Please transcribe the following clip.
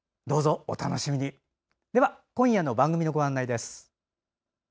今夜の番組のご案内です。